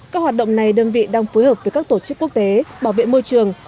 các hoạt động này đơn vị đang phối hợp với các tổ chức quốc tế bảo vệ môi trường